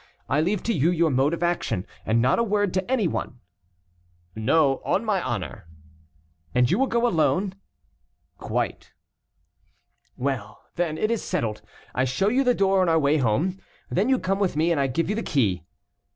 I leave to you your mode of action. And not a word to any one." "No, on my honor." "And you will go alone?" "Quite." "Well, then, it is settled; I show you the door on our way home; then you come with me, and I give you the key."